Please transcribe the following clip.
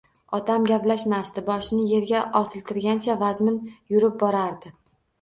Otam gaplashmasdi, boshini yerga osiltirgancha vazmin yurib borardi.